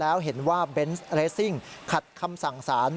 แล้วเห็นว่าเบนส์เรสซิ่งขัดคำสั่งสาร